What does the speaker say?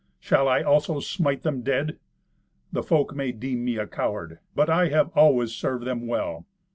Shall I also smite them dead? The folk may deem me a coward. But I have always served them well.